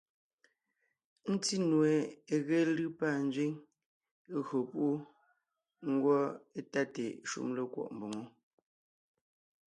Ńtí nue é ge lʉ́ pâ nzẅíŋ, é gÿo púʼu, ngwɔ́ étáte shúm lékwɔ́ʼ mboŋó.